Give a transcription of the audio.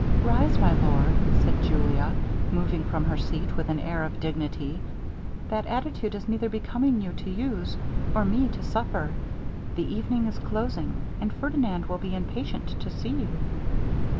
'Rise, my lord,' said Julia, moving from her seat with an air of dignity, 'that attitude is neither becoming you to use, or me to suffer. The evening is closing, and Ferdinand will be impatient to see you.'